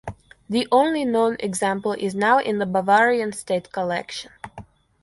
The only known example is now in the Bavarian State Collection.